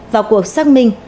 vào cuộc xác minh